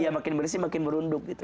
iya makin berisi makin merunduk gitu